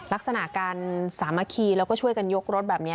ลักษณะการสามัคคีแล้วก็ช่วยกันยกรถแบบนี้